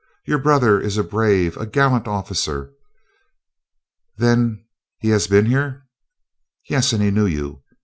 Your brother is a brave, a gallant officer. Then he has been here?" "Yes, and knew you.